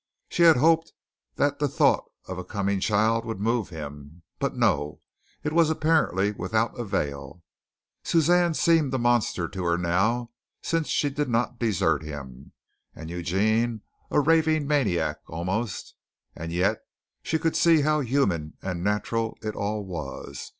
She had hoped that the thought of a coming child would move him, but no, it was apparently without avail. Suzanne seemed a monster to her now since she did not desert him, and Eugene a raving maniac almost, and yet she could see how human and natural it all was.